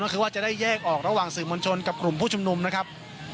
ก็คือว่าจะได้แยกออกระหว่างสื่อมวลชนกับกลุ่มผู้ชุมนุมนะครับ